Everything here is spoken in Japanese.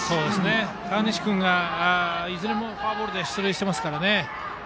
河西君がいずれもフォアボールで出塁していますからね。